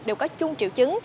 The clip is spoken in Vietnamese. đều có chung triệu chứng